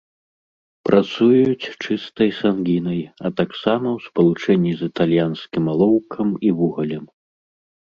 Працуюць чыстай сангінай, а таксама ў спалучэнні з італьянскім алоўкам і вугалем.